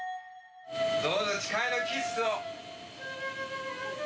・どうぞ誓いのキッスを！